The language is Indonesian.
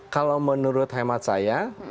kalau menurut hemat saya